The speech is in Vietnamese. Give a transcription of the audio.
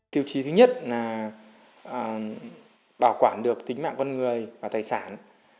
tiêu chí thứ nhất là bảo quản được tính mạng con người và tài sản